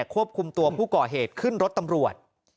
ควบคุมตัวผู้ก่อเหตุขึ้นรถตำรวจ